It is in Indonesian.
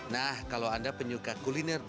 nah kalau anda penyuka kuliner